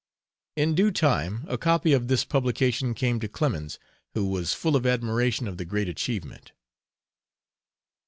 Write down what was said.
In due time a copy of this publication came to Clemens, who was full of admiration of the great achievement.